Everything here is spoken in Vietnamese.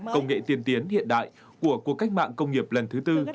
công nghệ tiên tiến hiện đại của cuộc cách mạng công nghiệp lần thứ tư